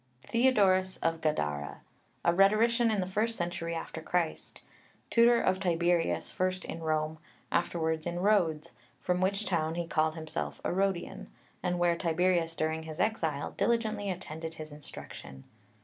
THEODORUS of Gadara, a rhetorician in the first century after Christ; tutor of Tiberius, first in Rome, afterwards in Rhodes, from which town he called himself a Rhodian, and where Tiberius during his exile diligently attended his instruction.